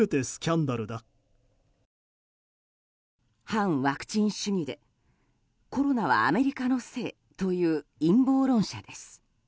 反ワクチン主義でコロナはアメリカのせいという陰謀論者です。